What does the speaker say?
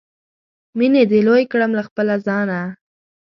مینې دې لوی کړم له خپله ځانه